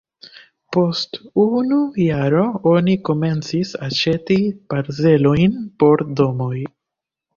Post unu jaro oni komencis aĉeti parcelojn por domoj.